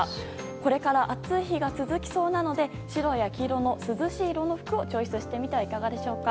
これから暑い日が続きそうなので白や黄色の涼しい服をチョイスしてみてはいかがでしょうか。